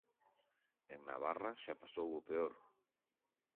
En Navarra xa pasou o peor.